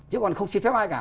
chứ còn không xin phép ai cả